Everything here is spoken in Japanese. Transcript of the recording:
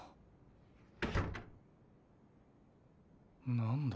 何だ？